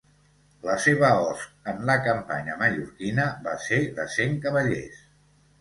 La seva host en la campanya mallorquina va ser de cent cavallers.